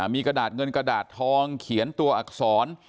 มีกระดาษเงินกระดาษทองเขียนตัวอักษร